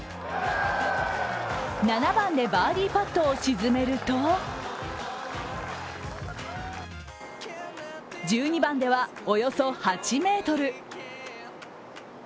７番でバーディーパットを沈めると１２番ではおよそ８ｍ。